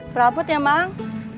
perabot ya mang